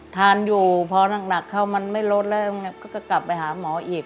ทานอยู่พอหนักเข้ามันไม่ลดแล้วก็จะกลับไปหาหมออีก